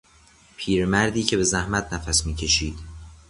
پیرمردی که به زحمت نفس میکشید